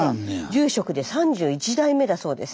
住職で３１代目だそうです。